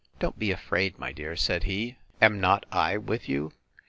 Don't be afraid, my dear, said he: Am not I with you?